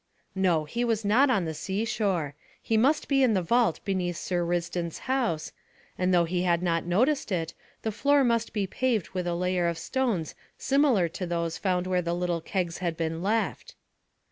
No; he was not on the seashore. He must be in the vault beneath Sir Risdon's house, and though he had not noticed it, the floor must be paved with a layer of stones similar to those found where the little kegs had been left.